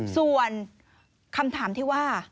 ส่วนคำถามที่ว่า